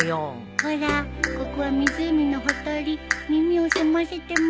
ほらここは湖のほとり耳を澄ませてみて。